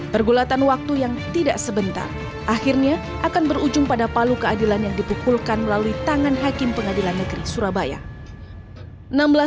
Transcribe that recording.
pergulatan waktu yang tidak sebentar akhirnya akan berujung pada palu keadilan yang dipukulkan melalui tangan hakim pengadilan negeri surabaya